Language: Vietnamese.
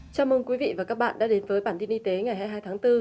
chào mừng quý vị và các bạn đã đến với bản tin y tế ngày hai mươi hai tháng bốn